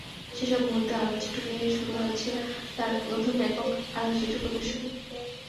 সেসব মুহূর্তের আলোকচিত্র নিয়ে শুরু হয়েছে তাঁর প্রথম একক আলোকচিত্র প্রদর্শনী।